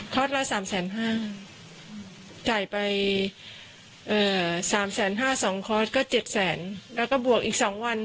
คอร์สละสามแสนห้าจ่ายไปสามแสนห้าสองคอร์สก็เจ็ดแสนแล้วก็บวกอีกสองวัน